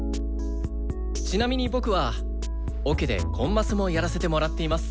ちなみに僕はオケでコンマスもやらせてもらっています。